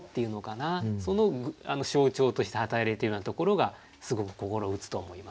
その象徴として働いているようなところがすごく心を打つと思います。